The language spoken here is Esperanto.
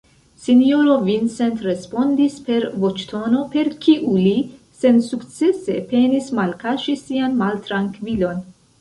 Sinjoro Vincent respondis per voĉtono, per kiu li sensukcese penis malkaŝi sian maltrankvilon: